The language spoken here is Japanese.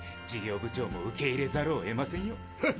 事業部長も受け入れざるをえませんよ。